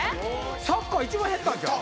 サッカー一番減ったんちゃう？